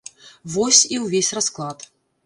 Вось, і ўвесь расклад.